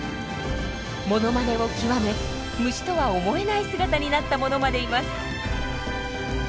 モノマネを極め虫とは思えない姿になったものまでいます。